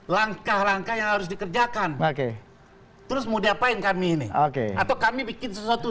langkah langkah yang harus dikerjakan oke terus mau diapain kami ini oke atau kami bikin sesuatu